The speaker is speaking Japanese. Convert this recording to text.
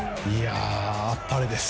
あっぱれです。